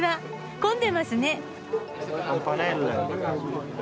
混んでますね。